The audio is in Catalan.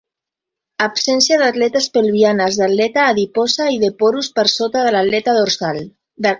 Absència d'aletes pelvianes, d'aleta adiposa i de porus per sota de l'aleta dorsal.